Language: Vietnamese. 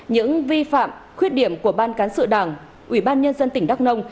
những vi phạm khuyết điểm của ban cán sự đảng ủy ban nhân dân tỉnh đắk nông